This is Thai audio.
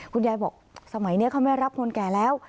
คุณยายบอกสมัยนี้เขาไม่รับคนแก่แล้ว